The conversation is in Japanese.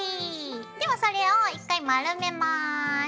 ではそれを１回丸めます。